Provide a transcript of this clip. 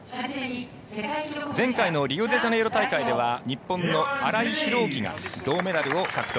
前回のリオデジャネイロ大会では日本の荒井広宙が銅メダルを獲得。